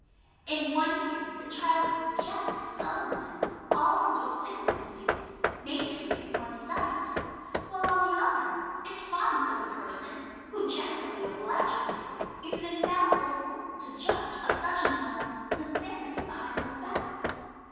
In one case the child will reject with sullenness all the little sycophancies made to it in one's sight; while on the other, its fondness of the person, who generally obliges it, is an infallible rule to judge of such an one's sincerity behind one's back.